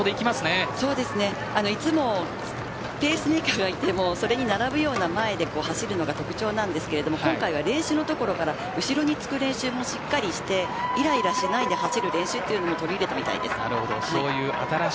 いつもペースメーカーがいてもそれに並ぶように前で走るのが特徴ですが今回は後ろにつく練習もしっかりとしていらいらしないで走る練習も採り入れたようです。